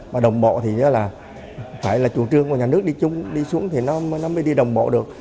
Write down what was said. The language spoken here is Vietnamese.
và đồng bộ thì phải là chủ trương của nhà nước đi xuống thì nó mới đi đồng bộ được